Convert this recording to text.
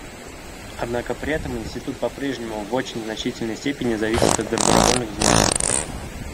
Однако при этом Институт по-прежнему в очень значительной степени зависит от добровольных взносов.